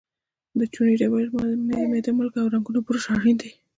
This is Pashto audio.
د چونې ډبرې، میده مالګه او د رنګولو برش اړین دي.